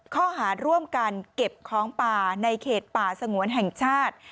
ข้อหาร่วมกันเก็บของป่าในเขตป่าสงวนแห่งชาติ